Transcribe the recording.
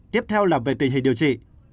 tiếp theo là về tình hình điều trị